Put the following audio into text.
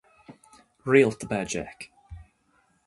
Réalt ab ea Jack.